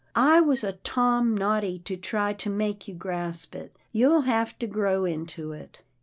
I was a Tom Noddy to try to make you grasp it — you'll have to grow into it."